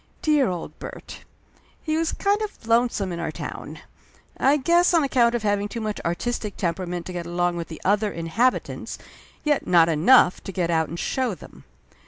Dear old Bert! He was kind of lonesome in our town, I guess, on account of having too much artistic tem perament to get along with the other inhabitants, yet not enough to get out and show them.